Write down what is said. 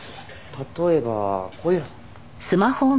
例えばこういうの。